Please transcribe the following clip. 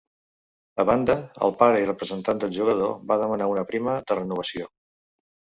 A banda, el pare i representant del jugador va demanar una prima de renovació.